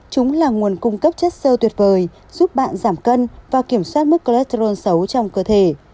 chúng là nguồn cung cấp chất sơ tuyệt vời giúp bạn giảm cân và kiểm soát mức cholesterol xấu trong cơ thể